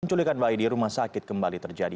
penculikan bayi di rumah sakit kembali terjadi